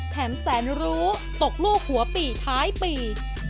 แสนรู้ตกลูกหัวปี่ท้ายปี